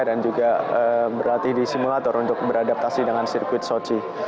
dan juga berlatih di simulator untuk beradaptasi dengan sirkuit soshi